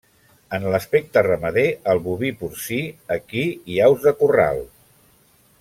En l'aspecte ramader, el boví, porcí, equí i aus de corral.